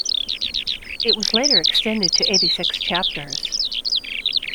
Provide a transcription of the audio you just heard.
It was later extended to eighty-six chapters.